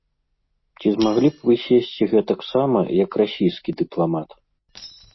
Ці змаглі б вы сесці гэтак сама, як расійскі дыпламат?